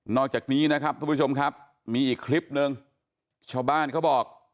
อกจากนี้นะครับทุกผู้ชมครับมีอีกคลิปนึงชาวบ้านเขาบอก